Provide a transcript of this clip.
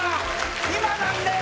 今なんです！